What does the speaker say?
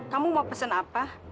kamu mau pesen apa